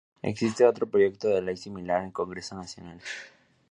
Existe otro proyecto de ley similar en el Congreso Nacional.